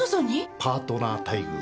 パートナー待遇だよ。